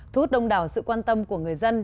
thu hút đông đảo sự quan tâm của người dân